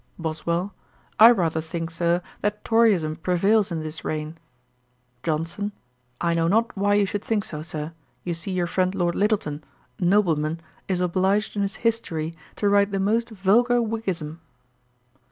BOSWELL. 'I rather think, Sir, that Toryism prevails in this reign.' JOHNSON. 'I know not why you should think so, Sir. You see your friend Lord Lyttelton, a nobleman, is obliged in his History to write the most vulgar Whiggism.'